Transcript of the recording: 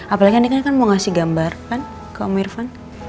apalagi dia kan mau ngasih gambar kan ke om irfan